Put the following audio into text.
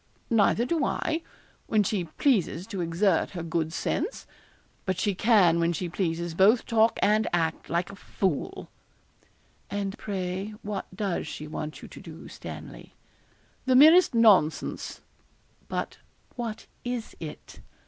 'Neither do I when she pleases to exert her good sense but she can, when she pleases, both talk and act like a fool.' 'And pray, what does she want you to do, Stanley?' 'The merest nonsense.' 'But what is it?'